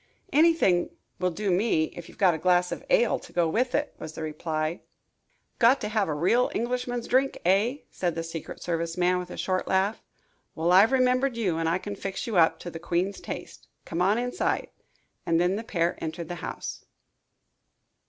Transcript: "Anything will do me, if you've got a glass of ale to go with it," was the reply. "Got to have a real Englishman's drink, eh?" said the secret service man, with a short laugh. "Well, I've remembered you and I can fix you up to the queen's taste. Come on inside." And then the pair entered the house.